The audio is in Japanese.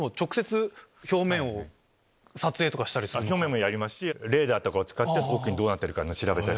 表面もやりますしレーダーを使ってどうなってるか調べたり。